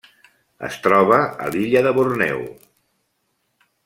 Es troba a l'illa de Borneo.